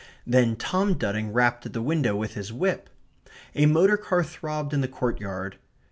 Then Tom Dudding rapped at the window with his whip. A motor car throbbed in the courtyard.